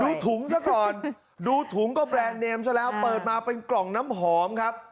ดูถุงซะก่อนดูถุงก็แบรนด์เนมซะแล้วเปิดมาเป็นกล่องน้ำหอมครับ